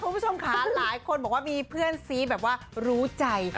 คุณผู้ชมค่ะหลายคนบอกว่ามีเพื่อนซีแบบว่ารู้ใจ